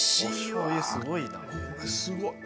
これすごい。